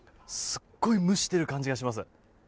すごい蒸している感じがします。